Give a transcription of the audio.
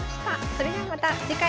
それではまた次回。